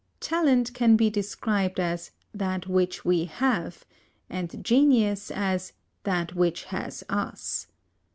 Talent can be described as "that which we have," and Genius as "that which has us."